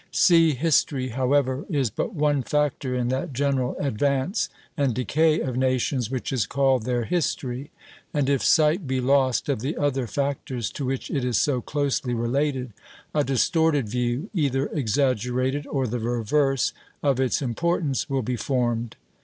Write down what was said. Sea history, however, is but one factor in that general advance and decay of nations which is called their history; and if sight be lost of the other factors to which it is so closely related, a distorted view, either exaggerated or the reverse, of its importance will be formed.